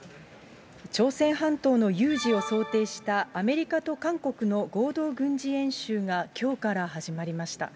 朝鮮半島の有事を想定したアメリカと韓国の合同軍事演習がきょうから始まりました。